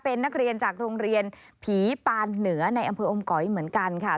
เป็นนักเรียนจากโรงเรียนผีปานเหนือในอำเภออมก๋อยเหมือนกันค่ะ